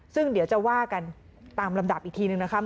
ซึ่งเดี๋ยวจะว่ากันตามลำดับอีกทีนึงนะคะ